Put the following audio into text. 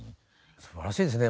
すばらしいですね。